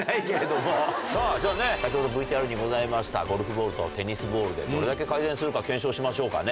さぁじゃあねっ先ほどＶＴＲにございましたゴルフボールとテニスボールでどれだけ改善するか検証しましょうかね。